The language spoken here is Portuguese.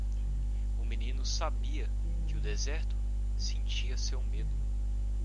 O menino sabia que o deserto sentia seu medo.